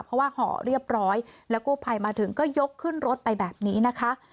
เพราะว่าห่อเรียบร้อยแล้วกู้ภัยมาถึงก็ยกขึ้นรถไปแบบนี้นะคะ